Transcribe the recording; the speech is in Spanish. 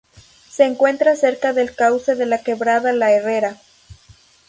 Se encuentra cerca del cause de la quebrada la Herrera.